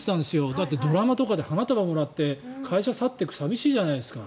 だって、ドラマとかで花束をもらって会社を去っていくの寂しいじゃないですか。